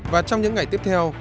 và trong những ngày tiếp theo